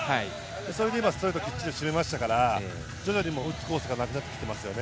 それで今ストレートをきっちり締めましたから徐々に打つコースがなくなっていますよね。